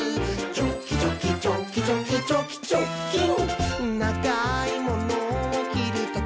「チョキチョキチョキチョキチョキチョッキン！」